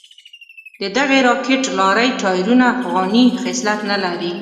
ددغې راکېټ لارۍ ټایرونه افغاني خصلت نه لري.